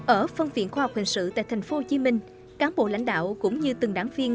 ở phân viện khoa học hình sự tại tp hcm cán bộ lãnh đạo cũng như từng đảng viên